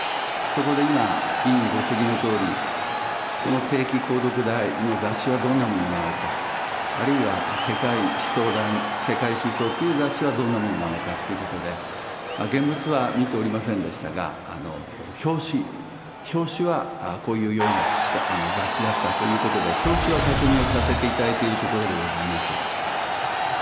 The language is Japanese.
そこで今、委員ご指摘のとおり、この定期購読代の雑誌はどんなものなのか、あるいは世界思想代、世界思想という雑誌はどんなものなのかということで、現物は見ておりませんでしたが、表紙、表紙はこういうような雑誌だったということで、表紙は確認をさせていただいているところでございます。